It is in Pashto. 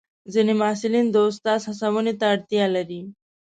ځینې محصلین د استاد هڅونې ته اړتیا لري.